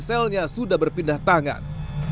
konseilnya sudah berpindah tangan